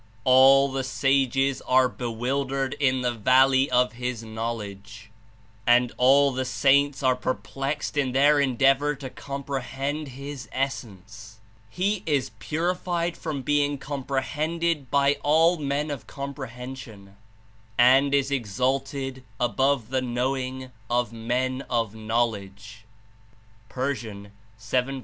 All the sages are bewildered in the valley of His Knowledge, and all the saints are perplexed In their endeavor to comprehend His Essence. He is purified from being comprehended by all men of comprehension, and is ex alted above the knowing of men of knowledge.'* (Pers. S, V.